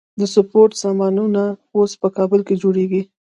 د سپورت سامانونه اوس په کابل کې جوړیږي.